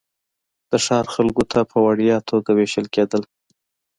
د ښار خلکو ته په وړیا توګه وېشل کېدل.